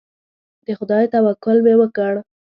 د خدای توکل مې وکړ.